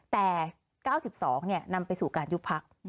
แต่๙๒เนี่ยนำไปสู่การยุคพรรค